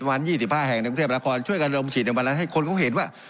ประมาณ๒๕แห่งในกรุงเทพนครช่วยกันเริ่มฉีดในวันนั้นให้คนเขาเห็นว่า